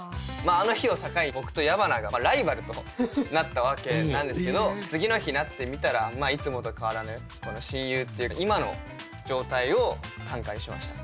あの日を境に僕と矢花がライバルとなったわけなんですけど次の日になってみたらいつもと変わらぬこの親友っていう今の状態を短歌にしました。